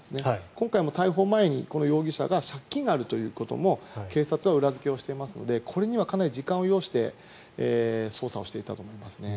今回も逮捕前にこの容疑者が借金があるということも警察は裏付けをしていますのでこれには、かなり時間を要して捜査をしていたと思いますね。